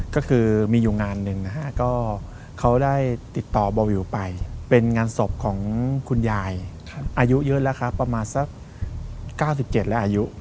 ก็คือมีอยู่งานหนึ่งนะฮะก็เขาได้ติดต่อบ่อวิวไปเป็นงานศพของคุณยายอายุเยอะแล้วครับประมาณสัก๙๗แล้วอายุ